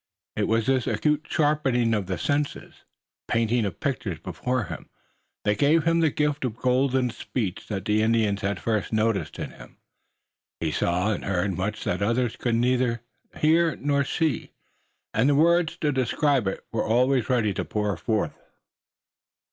It was this acute sharpening of the senses, the painting of pictures before him, that gave him the gift of golden speech that the Indians had first noticed in him. He saw and heard much that others could neither hear nor see, and the words to describe it were always ready to pour forth.